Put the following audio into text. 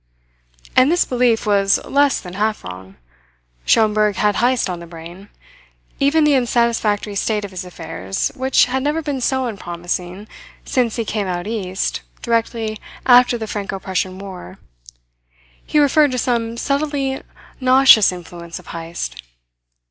And this belief was less than half wrong. Schomberg had Heyst on the brain. Even the unsatisfactory state of his affairs, which had never been so unpromising since he came out East directly after the Franco Prussian War, he referred to some subtly noxious influence of Heyst.